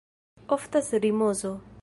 Oftas rizomo.